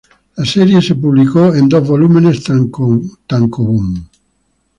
La serie fue publicada en dos volúmenes tankōbon.